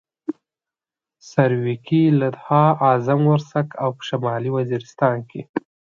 سرویکي، لدها، اعظم ورسک او په شمالي وزیرستان کې.